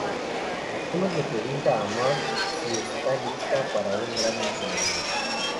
Homer le pregunta a Marge si esta lista para un "gran entrenamiento".